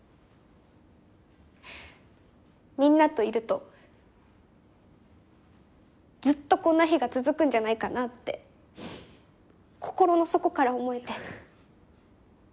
みんなといるとずっとこんな日が続くんじゃないかなって心の底から思えて。